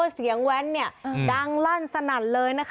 เสียงแว้นดังลั่นสนั่นเลยนะคะ